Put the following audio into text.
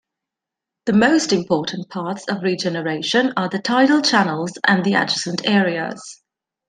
The most important paths of regeneration are the tidal channels and the adjacent areas.